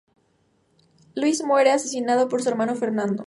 Luis muere asesinado por su hermano Fernando.